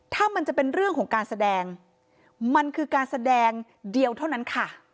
ถ้ามันจะเป็นเรื่องของการแสดงมันคือการแสดงเดียวเท่านั้นค่ะ